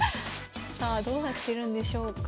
さあどうなってるんでしょうか？